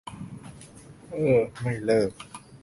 เอ้อ ไม่เลิก